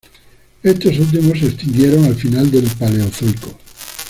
Estos últimos se extinguieron al final del Paleozoico.